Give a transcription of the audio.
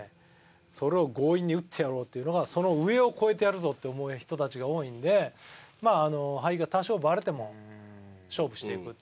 それを強引に打ってやろうっていうのがその上を越えてやるぞって思う人たちが多いんでまあ配球が多少バレても勝負していくっていう。